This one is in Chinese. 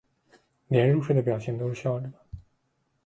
连入睡的表情都是笑着的